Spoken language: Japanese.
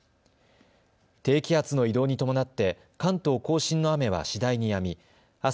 低気圧の移動に伴って関東甲信の雨は次第にやみあす